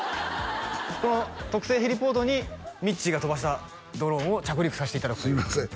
この特製ヘリポートにみっちーが飛ばしたドローンを着陸させていただくというすいません